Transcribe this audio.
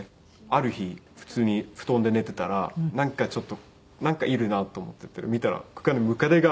ある日普通に布団で寝ていたらなんかちょっとなんかいるなと思って見たらここにムカデが。